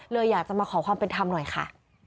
อยากจะมาขอความเป็นธรรมหน่อยค่ะ